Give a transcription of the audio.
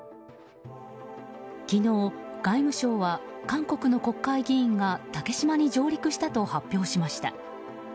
昨日、外務省は韓国の国会議員が竹島に上陸したと発表しました。